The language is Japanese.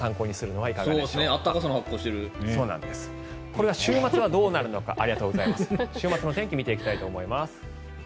これが週末はどうなるのか週末の天気を見ていきます。